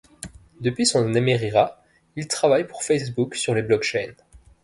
Depuis son éméritat, il travaille pour Facebook sur les blockchains..